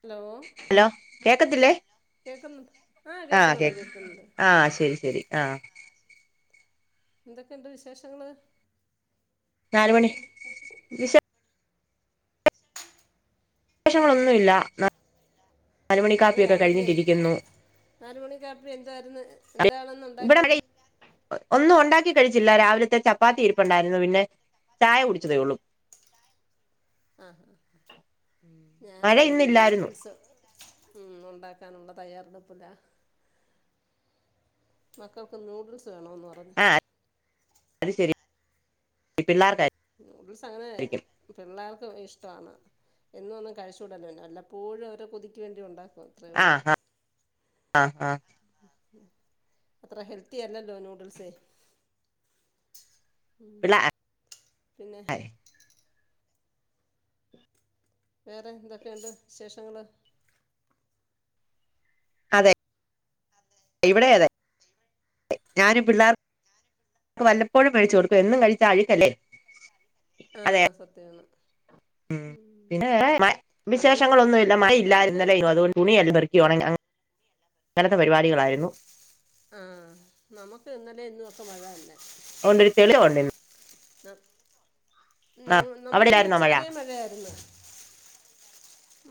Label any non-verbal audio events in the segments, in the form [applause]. hello hello കേക്കത്തില്ലേ കേൾക്കുന്നു ആ ആഹ് കേ കേൾക്കുന്നുണ്ട് കേൾക്കുന്നുണ്ട് ആഹ് ശരി ശരി ആഹ് എന്തൊക്കെയുണ്ട് വിശേഷങ്ങള് നാല് മണി വിശേഷം ഷങ്ങളൊന്നു വില്ല മഴയാണല്ലേ നാല് മണിക്കാപ്പി എന്തായിരുന്ന് ഇവിടെ എന്താണുന്നുണ്ടാക്കിയത് മഴ ഒന്നും ഉണ്ടാക്കി കഴിച്ച് ചില്ല രാവിലത്തെ ചപ്പാത്തി ഇരിപ്പുണ്ടായിരുന്നു പിന്നെ ചായ കുടിച്ചതേ ഒള്ളൂ ആഹാ മഴ ഞാനിവിടെ ഇന്നില്ലായിരുന്നു നൂഡിൽസ് ഉം ഉണ്ടാക്കാനുള്ള തയ്യാറെടുപ്പിലാ മക്കൾക്ക് നൂഡിൽസ് വേണന്ന് പറഞ്ഞു ഈ പിള്ളാർക്കാ ഉം ന്യൂഡിൽസ്അങ്ങനെ പിള്ളേർക്കും ഇഷ് ടമാണ് എന്നൊന്നും കഴിച്ചൂടല്ലോ വല്ലപ്പോഴും അവരെ കൊതിക്കു വേണ്ടി ഉണ്ടാ ആഹ് ആഹ് ആഹ് ആഹ് അത്ര ഹെൽത്തി അല്ലല്ലോ നൂഡിൽസേ ഉം പിള്ള പിന്നെ വേറെ എന്തൊക്കെയുണ്ട് വിശേഷങ്ങള് അതെ ഇവിടെ അതെ ഞാനും പിള്ളേർക്ക് വല്ലപ്പോഴും മേടിച്ചു കൊടുക്കും എന്നും കഴിച്ചാ അഴുക്കല്ലേ അതെ ആഹ് സത്യവാണ് ഉം പിന്നെ അന്നേരം വിശേഷങ്ങളൊന്നുമില്ല മഴ ഇല്ലായിരുന്നു ഇന്നലെയൊന്നും അതുകൊണ്ട് തുണി എല്ലാം പെറ്ക്കി ഒണ അങ്ങനത്തെ പരിപാടികളായിരുന്നു ആഹ് നമക്ക് ഇന്നലെം ഇന്നുംക്കെ മഴ തന്നെ ഒണ്ട് ഒര് തെളിച്ചം ഒണ്ട് ഇന്ന് ന്നാ നമുക്കൊന്ന് അവിടെല്ലായിരുന്നോ മഴ ഉച്ചവരെയും മഴയായിരുന്നു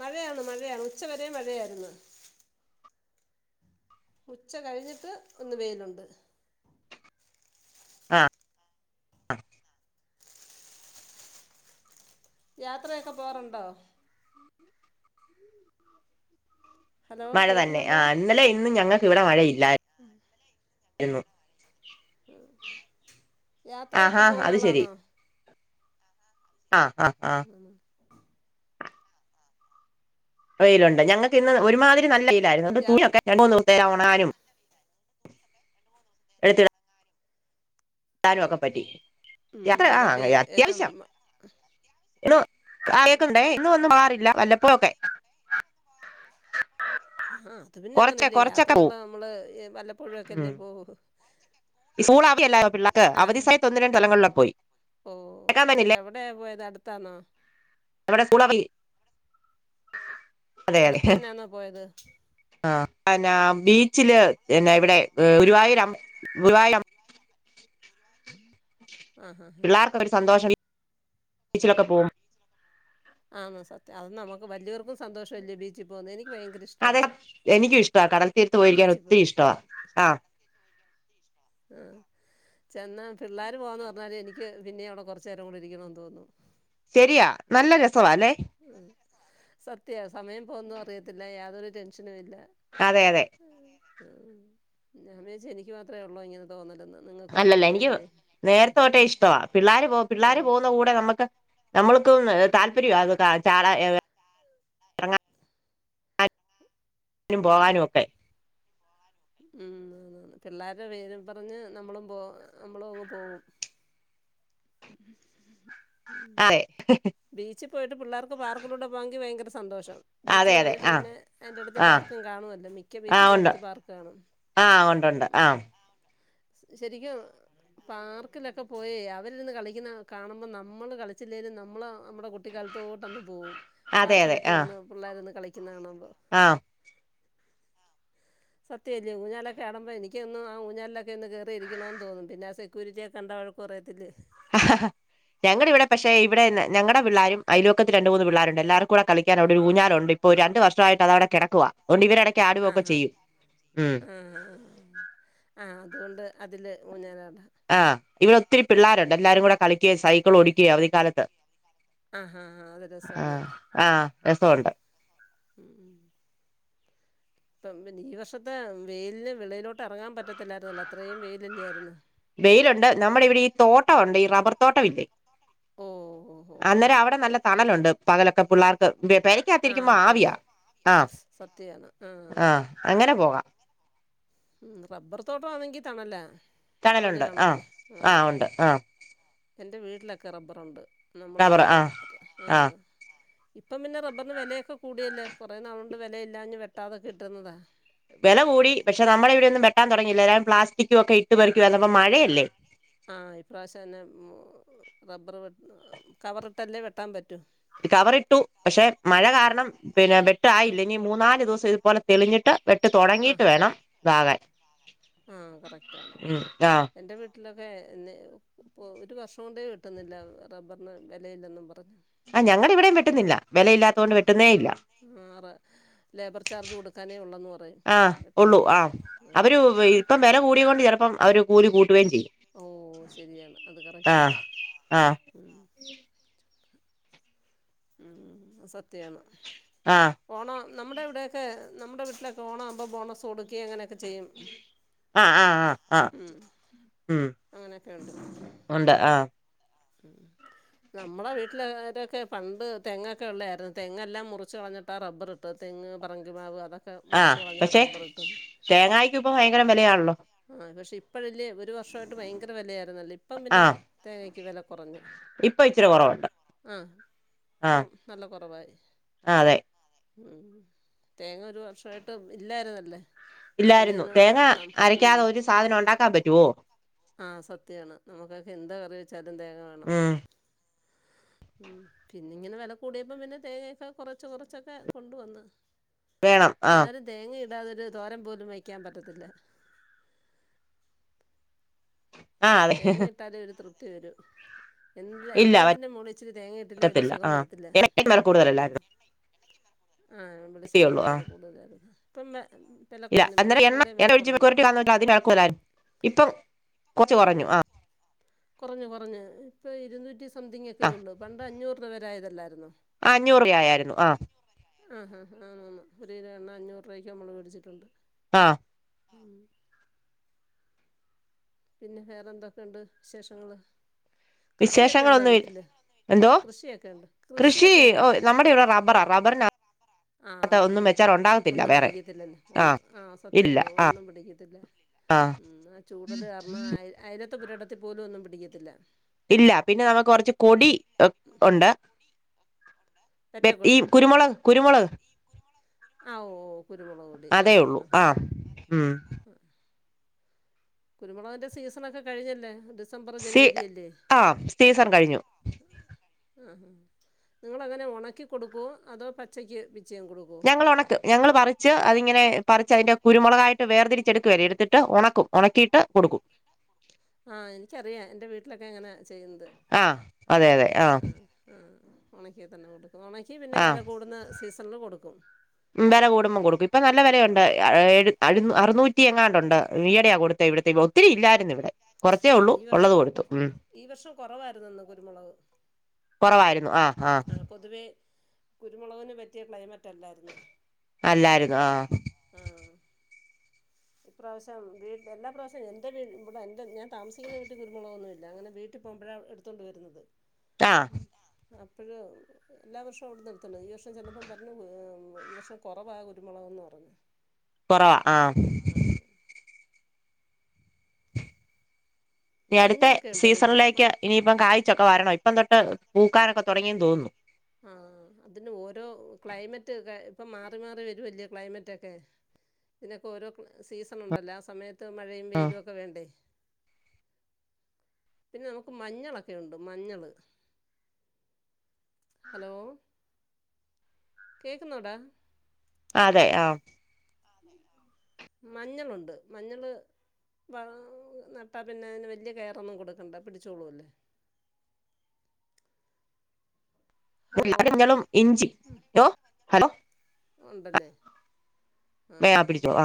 മഴയാണ് മഴയാണ് ഉച്ചവരെ മഴയായിരുന്നു ഉച്ച കഴിഞ്ഞിട്ട് ഒന്ന് വെയിലുണ്ട് ആ ആ യാത്രയൊക്കെ പോവാറുണ്ടോ ഹലോ മഴ തന്നെ ആ കേൾക്കുന്നുണ്ടോ ഇന്നലെ ഇന്നും ഞങ്ങൾക്ക് ഇവിടെ മഴയി ല്ലായിരുന്നു യാത്രയൊക്കെ ആഹാ പോവുന്ന അത് ആളാണോ ആഹ ആഹ് ആഹ വെയിലുണ്ട് ഞങ്ങക്ക് ഇന്ന് ഒരുമാതിരി നല്ല [inaudible] യാത്ര ങ്ങാനും [unintelligible] [unintelligible] നും ഒക്കെ പറ്റി യാത്ര ആ അതല്ലേ ഏറ്റവും അത്യാവശ്യം ആ [inaudible] ഇല്ല വല്ലപ്പോഴക്കെ ആഹ അത് പിന്നെ അങ്ങനെയല്ലേ യാത്രകള് പോവും നമ്മള് വല്ലപ്പോഴക്കെല്ലേ ഉം പോവൂ സ്കൂൾ അവധി യെല്ലാരുന്നോ പിള്ളേർക്ക് ആ അവധി സയത്ത് ഒന്ന് രണ്ട് സ്ഥലങ്ങളിലൊക്കെ പോയി [unintelligible] ഇത് അടുത്താന്നോ എവടെ [unintelligible] അടുത്ത തന്നെയന്നോ പോയത് എന്നാ ബീച്ചില് എന്നെ ഇവിടെ ഗുരുവായൂരംമ്പല ഗുരുവായൂരമ്പ- ആഹ് ഹാ ഹാ പിള്ളേർക്കും ഒരു സന്തോഷംല്ല ച്ചിലൊക്കെ പോ ആണ സത്യം അത് നമുക്ക് വലിയവർക്കും സന്തോഷമല്ലേ ബീച്ചിൽ പോകുന്നത് എനിക്ക് ഭയങ്കര ഇഷ്ടവാ അതെ എനിക്കും ഇഷ്ടമാ കടൽ തീർത്ത് പോയിരിക്കാൻ ബീച്ചിൽ പോ ഒത്തിരി ഇഷ്ടവാ ആ ആ ചെന്നാ പിള്ളേർ പോവാന്ന് പറഞ്ഞാല് എനിക്ക് പിന്നെ അവിടെ കൊറച്ച നേരം കൂടി ഇരിക്കണന്ന് തോന്നു ശരിയാ നല്ല രസ സവാല്ലേ സത്യയാ സമയം പോവുന്ന അറിയത്തില്ല യാതൊരു ടെൻഷനും ഇല്ല അതെ അതെ ആ ഞാൻ വിചാരിച്ച് എനിക്ക് മാത്രമേ ഉള്ളൂ ഇങ്ങനെ തോന്നൽ അല്ലല്ല എനിക്ക് നേരത്തെ തൊട്ടേ ഇഷ്ടവാ പിള്ളേര് പോ പിള്ളേര് ആഹ് പോകുന്ന കൂടെ നമ്മുക്ക് നമ്മൾക്കും താല്‌പര്യം അ ചാള [inaudible] നും ഉം പോകാനുമൊക്കെ ഉം പിള്ളേരുടെ പേരും പറഞ്ഞ് നമ്മളും പോ നമ്മളും അങ്ങ് പോവും ഉ അതെ ബീച്ച് പോയിട്ട് പിള്ളേർക്ക് പാർക്കിലൂടെ പോയങ്കി ഭയങ്കര ഇ സന്തോഷം ബീച്ച് അതെ അതെ കഴിഞ്ഞിട്ട് ആഹ് പിന്നെ അയിന്റെ അടുത്ത് ആഹ് പാർക്കും കാണു അല്ലോ മിക്ക ആഹ് ബീച്ചിന്റെ ഉണ്ട് അടുത്ത് പാർക്ക് കാണും ആഹ് ഉണ്ടുണ്ട് ആഹ് ശരിക്കും പാർക്കിലൊക്കെ പോയേ അവരിന്ന് കളിക്കുന്ന കാണുമ്പോൾ നമ്മൾ കളിച്ചില്ലേലും നമ്മൾ നമ്മുടെ കുട്ടിക്കാലത്തോട്ടൊന്ന് പോവും പാർക്കിലൊക്കെ ഇരുന്നു പിള്ളേർരുന്നു കളിക്ക ക [inaudible] ആഹ സത്യമല്ലേ ഊഞ്ഞാൽ ഒക്കെ ആടുമ്പോ എനിക്കൊന്നും ആ ഊഞ്ഞാൽ ഒക്കെ ഒന്ന് കയറിയിരിക്കണമന്ന് തോന്നും പിന്നെ സെക്യൂരിറ്റി കണ്ട വഴക്ക് പറയത്തില്ലേ ആ ഞങ്ങളുടെ ഇവിടെ പക്ഷെ ഇവിടെ ഞങ്ങളടെ പിള്ളാരും അലോക്കത്തി രണ്ട മൂന്ന് പിള്ളരുണ്ട് എല്ലാവർക്കും കൂടെ കളിക്കാൻവിടെ ഊഞ്ഞാലുണ്ട് ഇപ്പോൊ രണ്ടു വർഷമായിട്ട് അത അവിടെ കിടക്കുവ ആഹ് ഉം ആ ആഹ ആഹ അതുകൊണ്ട് അതിൽ ഊഞ്ഞലടാം ആഹ് ഇവിടെ ഒത്തിരി പിള്ളേരുണ്ട് എല്ലാരും കൂടെ കളിക്കുക സൈക്കിൾ ഓടിക്കുകയോ അവധിക്കാലത്ത് ആഹഹാ ആാ അത് രസമാണ് ആഹ് ആഹ് രസമുണ്ട് ഉ ഇപ്പം പിന്നെ ഈ വർഷത്തെ വെയിലിന് വിളയിലോട്ട് ഇറങ്ങാൻ പറ്റത്തില്ലായിരുന്നല്ലോ അത്രയും വെയിലല്ലായിരുന്നു വെയിലുണ്ട് നമ്മുടെ ഇവിടെ ഈ തോട്ടം ഉണ്ട് ഈ റബ്ബർ റബ്ബറും തോട്ടം ഇല്ലേ ഓ ഓ ഓ ഓ അന്നേരം അവിടെ നല്ല തണലുണ്ട് പകലൊ- പിള്ളേർക്ക് ആ പെരക്കാത്തിരിക്കുമ്പോ കളി ആവിയ ആഹ സത്യാണ് ആ ആഹ അങ്ങനെ പോകാം ഉ റബ്ബർ തോട്ടംമാണെങ്കി തണല്ല തണലുണ്ട് ആഹ് ആഹ ഉണ്ട് ആഹ എൻ്റെ വീട്ടിലൊക്കെ റബ്ബറുണ്ട് നമ്മൾ റബ്ബർ വന്ന് ആഹ് ആഹ ആഹ് ഇപ്പം പിന്നെ റബറിന് വിലയൊക്കെ കൂടിയല്ലേ കുറെ നാളു കൊണ്ട് കൊണ്ട് വിലയിലത്തൊണ്ട് വെട്ടാതൊക്കെ ഇട്ടിരുന്നതാ വില കൂടി പക്ഷെ നമ്മള ഇവിടെൊന്നും വെട്ട് തുടങ്ങിയില്ല എല്ലാരും പ്ലാസ്റ്റിക്കും ഒക്കെ ഇട്ട് പറക്ക വന്നപ്പോ മഴയല്ലേ ആഹ ഇപ്രാവശ്യം തന്നെ റബ്ബർ കവറിട്ടല്ലേ വെട്ടാൻ പറ്റും കവർ ഇട്ടു പക്ഷെ മഴ കാരണം പിന്നെ വെട്ടായില്ല ഇനി മൂന്ന് നാല് ദിവസം ഇതുപോലെ തെളിഞ്ഞിട്ട് വെട്ട് തുടങ്ങിയിട്ട് വേണം ഇതാകാൻ ആഹ കറക്റ്റ് ആണ് ഉം ആഹ് എൻ്റെ വീട്ടില് [inaudible] വീട്ടിലോകെ ഒരു വർഷം കൊണ്ടേ കിട്ടുന്നില്ല റബ്ബറിന് വിലയില്ലൊന്നും പറഞ്ഞ് ആ ഞങ്ങളുടെ ഇവിടെയും വേട്ടുന്നില്ല വിലയില്ലാത്ത കൊണ്ട് വെട്ടുന്നേ ഇല്ല ആറ് ലേബർ ചാർജ് കൊടുക്കാനേ ഉള്ളെന്ന് പറയും ആ ഉള്ളൂ വെട്ടുന്നത് ആഹ ആഹ് അവര് ഇപ്പ വില കൂട്ടിയതുകൊണ്ട് ഓ ശരിയാണ് അത് കറക്റ്റാ ആഹ് ആഹ് ഉ- ഉം സത്യാണ് ആഹ് ഓണം നമ്മുടെ ഇവിടെ ഒകെ നമ്മുടെ വീട്ടില് ഓണം ആകുബോൾ ബോണസ് കൊടുക്കുക അങ്ങനെയൊക്കെ ചെയ്യും ആഹ ആഹ ആഹ് ആഹ് ഉം ഉ ഉണ്ട് ആഹ ഉ നമ്മളെ വീട്ടിലരൊക്കെ പണ്ട് തെങ്ങൊക്കെ ഉള്ളായിരുന്നു തെങ്ങ എല്ലാം മുറിച്ച് കളഞ്ഞിട്ടാ റബ്ബർ ഇട്ട് തെങ്ങ് പറങ്കിമാവ് അതൊക്കെ ആ മുറിച്ച് കളഞ്ഞാ പക്ഷെ റബ്ബർ ഇട്ടത് തേങ്ങായിക്ക് ഇപ്പൊ ഭയങ്കര വിലയാണല്ലോ ഇപ്പാഴല്ലേ ഒരു വർഷമായിട്ട് ഭയങ്കര വിലയായിരുന്നു ഇപ്പ പിന്നെ ആഹ് തേങ്ങക്ക് വില കുറഞ് ഇപ്പൊ ഇച്ചരി കുറവുണ്ട് ആ ഇപ്പം നല്ല കുറവായി ആ അതെ ഉം തേങ്ങ ഒരു വർഷമായിട്ട് ഇല്ലായിരുന്നല്ലേ ഇല്ലായിരുന്നു വെളീന്ന് തേങ്ങ നം അരക്കാതെ ഒരു സാധനം ഉണ്ടാക്കാൻ പറ്റുവോ ആ സത്യാണ് നമുക്കൊക്കെ എന്തോ കറി ചാലും തേങ്ങ വേണം ഉം ഉ പിന്നെ ഇങ്ങനെ വില കൂടിയപ്പോ പിന്നെ തേങ്ങൊക്കെ കൊറച്ച് കൊറച്ചൊക്കെ കൊണ്ട വന്ന് വേണം ആഹ് എന്നാലും തേങ്ങ അല്ലാതൊരു തോരൻ പോലും വഴക്കാൻ പറ്റത്തില്ല ആഹ് അതെ തേങ്ങ ഇട്ടാലെ ഒരു തൃപ് തിവരൂ എ ഇല്ല എല്ലാത്തിന്റെയും മോള ഇച്ചിരി തേങ്ങ ഇട്ടില്ലേ ഒരു പറ്റത്തില്ല സുഖം ആഹ് വരത്തില്ല എണ്ണക്കും വെല ഉ കൂടുതലല്ലായിരുന്നോ ആ ത്തിയുള്ളൂ വിളിച്ചണ്ണക്കും ആ വില കൂടുതലാണ് മുൻപേ ഇല്ല അന്നേരം എണ്ണ ഒയിച്ച് മെറികുറിട്ടി കാരണം അത്യം വിലകുടുതൽ ആയിരുന്നു ഇപ്പം കൊറച്ചു കുറഞ്ഞു ആ കുറഞ്ഞു കുറഞ് ഇപ്പൊ ഇരുന്നൂറ്റി സ്‌ സംതിങ് ഒക്കെയള്ളൂ പണ്ട് അഞ്ഞൂ രൂപ യതല്ലായിരുന്നു ആ അഞ്ഞൂറിൽ ആയായിരുന്നു ആ ആഹാ ആ ഒരു കിലോ എണ്ണ അഞ്ഞൂറ് രൂപയ്ക്ക് നമ്മള് മേടിച്ചിട്ടുണ്ട് ആ ഉം പിന്നെ വേറെ എന്തൊക്കെയുണ്ട് വിശേഷങ്ങള് കൃഷിയൊക്കെ ഉണ്ടോ വിശേഷങ്ങളൊന്നും ഇ വീട്ടില് എന്തോ കൃഷിയൊക്കെണ്ട് കൃഷി ഓ കൃഷിയൊക്കെണ്ടോ നമ്മുടെ ഇവിടെ റബ്ബറാ റബ്ബറിനകത്ത് ആ അതുണ്ട് ഒന്നും പിന്നെ വെച്ചാൽ ഉണ്ടാകത്തില്ല ഒന്നും വേറെ പിടിക്കത്തില്ലല്ല ആ ആഹ ഇല്ല സത്യണോ ആ ഒന്നും പിടിക്കത്തില്ല ആ ഉ ചു അത് കാരണം ആയി ആയിരം പുരേഡത്തിൽ പോലും ഒന്നും പിടിക്കത്തില്ല ഇല്ല പിന്നെ നമുക്ക് കുറച്ച് കൊടി ഒ ഉണ്ട് ഈ പെറ്റക്കൊടി കുരുമുളക് കുരുമുളക് കുരുമുളക് ആ ഓ കുരുമുളക് പൊടി ആ അതേ ഉള്ളൂ ആ ഉ കുരുമുളകന്റെ സീസണൊക്കെ കഴിഞ്ഞല്ലേ ഡിസംബർ സി ജനുവരി അല്ലേ ആ സിസൺ കഴിഞ്ഞു ആ നിങ്ങളെ എങ്ങനെ ഒണക്കി കൊടുക്കുവോ അതോ പച്ചയ്ക്ക് വി ഞങ്ങള് ഒണക്ക് ഞങ്ങള് പറിച്ച് അതിയിങ്ങനെ പറി അതിന്റെ കുരുമൊളകായിട്ട് വേർതിരിച്ചെടുക്കുവല്ലേ എട്ത്തിട്ട് ഒണക്കും ഒണക്കിട്ട് കൊടുക്കും ആാ എനിക്കറിയാം എന്റെ വീട്ടിലൊക്കെ ഇങ്ങനെയ ചെയ്യ്ന്നത് ആ അതെ അതെ ആ ഉം ആാ ആാ ഉണക്കി തന്നെ കൊട് ആാ കൊടുക്കും വെല കൂടുമ്പം കൊടുക്കും ഇപ്പം നല്ല വെലയൊണ്ട് അറുനൂറ്റി റ്റി എങ്ങാണ്ട് ഒണ്ട് ഈയെടാ കൊടുത്തേ ഇവടത്തെ ഒത്തിരി ഇല്ലാര്ന്ന് ഇവടെ ഈ വർഷം കൊറവാ കുരുമൊളക് കൊറവായിരുന്നു ആഹ് ആഹ് ആ പൊതുവേ കുരുമൊളകിന് പറ്റിയ ക്ലൈമറ്റ് അല്ലാര്ന്ന് അല്ലാരന്ന് ആാ ആാ ഇപ്രാവശ്യം എല്ലാ പ്രാവശ്യം എന്റെ വീ ഇവടെ എൻ്റെ ഞാൻ താമസിക്ക്ന്നാ വീട്ടി കുര്മൊളെകൊന്നും ഇല്ലാ അങ്ങനെ വീട്ടി പോമ്പാഴാ എടുത്തോണ്ട് വെര്ന്നത് ആഹ് [inaudible] അപ്പോഴ് എല്ലാ വർഷവും അവടെന്ന് എട്ത്തോണ്ട് ഈ വർഷം ചെന്നപ്പം പറഞ്ഞു ഈ വർഷം കൊറവാ കുരുമൊളകന്ന് പറഞ്ഞ് [inaudible] കൊറവാ ആാ ഇനി അട്ത്തേ മഞ്ഞളൊക്കെ ഉണ്ടോ വീട്ടിൽ മ സീസണിലേക്ക് ഇനിയിപ്പം കായ്ചൊക്കെ വെരണം ഇ ഇപ്പം തൊട്ട് പൂക്കാരനൊക്കെ തൊടങ്ങിയെന്ന് തോന്നുന്നു ആാ അതിന് ഓരോ ക്ലൈമറ്റെക്കെ ഇപ്പം മാറി മാറി വരുല്ലേ ക്ലൈമറ്റെക്കെ ഇതിനൊക്കെ ഓരോ സീസൺ ഉണ്ടാല്ലോ ആ സമയത്ത് മഴയും, ആഹ് വെയ്ലും ഒക്കെ വേണ്ടേ പിന്നെ നമക്ക് മഞ്ഞളൊക്കെണ്ട് മഞ്ഞള് ഹലോ [unintelligible] കേക്കുന്നോടാ അതെ ആാ മഞ്ഞളെണ്ട് നട്ടാപിന്നെ അയിന് വല്യായ കെയറൊന്നും കൊടുക്കണ്ട പിടിച്ചോളൂം ഹലോ [unintelligible] ഒണ്ടല്ലോ [inaudible] വെയാ പിടിച്ചോ ആ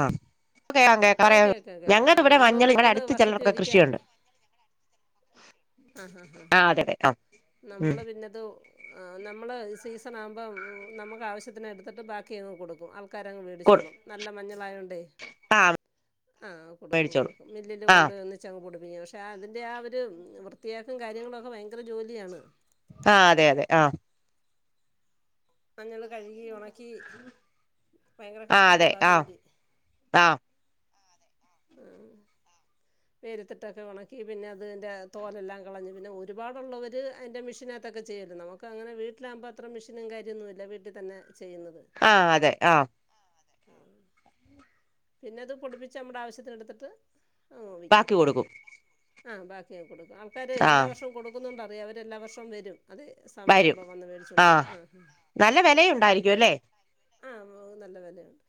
ആ [unintelligible] കേൾക്കാം കേൾക്കാം ഞാങ്ങള് ആ ഇവടെ നമ്മൾ മഞ്ഞള് ഇവടെ മഞ്ഞൾ അടുത്ത് വർഷത്തിൽ ചിലരെക്കെ ഒരിക്കൽ കൃഷിയൊണ്ട് ആാ ആാ ആ [inaudible] ഉം നമ്മള് പിന്നെത് നമ്മള് സീസൺ ആവുമ്പോ നമുക്ക് ആവശ്യത്തിന് എടുത്തിട്ട് ബാക്കിങ്ങ് കൊടുക്കും അ [inaudible] [inaudible] ക്കാരങ്ങ് കൊട് വേടിച്ചോളും നല്ലഞ്ഞളായെണ്ടേ ആഹ് ആ കൊടുക്കും മേടിച്ചോളും കൊടുക്കും മില്ലില് ആഹ് കൊണ്ട് ഒന്നിച്ചെങ്ങ് കൊട്ക്കം പശെ അതിന്റെ ആ ഒരു വൃ [inaudible] ത്തിയാക്കും കാര്യങ്ങളെമൊക്കെ ഭയങ്കര ജോലിയാണ് ആാ അതെ അതെ ആാ മഞ്ഞള് കഴ്കി ഒണ [inaudible] കി ഭയങ്കര ആ കഷ്ട അതെ ആ ജോലി [inaudible] ആ വെയിലെത്തിട്ട് ഒക്കേ ഒണക്കി പിന്നെ അതിന്റെ തോലയെല്ലാം കളഞ്ഞ് പിന്നെ ഒര്പാട് ഒള്ളവെര് അയിന്റെ മിഷിനത്തെക്കേ ചെയ്യാല്ലോ നമ്മക്ക് അങ്ങനെ വീട്ടിലാമ്പോ അത്ര മിഷനും കാര്യ [inaudible] ന്നല്ല വീട്ടിൽ തന്നെ [inaudible] ആഹ അതെ ആഹ പിന്നെ അത് പൊടിപ്പിച്ച് നമ്മുടെ ആവശ്യത്തിന എടുത്തിട്ട് അങ്ങ് വിൽക്കും ബാക്കി കൊടുക്കും ആ ബാക്കി ആക്കു കൊടുക്കും ആൾക്കാര് ആ എല്ലാ വർഷവും കൊടുക്കുന്നുണ്ട അവരെല്ലാ വർഷം വരും അത് വരും സമയമാകുമ്പോൾ വന്ന് ആ മേടിച്ചുകൊണ്ട് പോകും നല്ല വിലയുണ്ടായിരിക്കും അല്ലേ ആ മ നല്ല വിലയുണ്ട്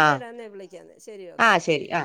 ആ എ വിളി ശെരി ആ ഓക്കെ ശരി ആ